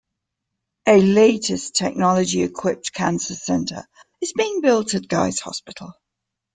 A latest-technology-equipped Cancer Centre is being built at Guy's Hospital.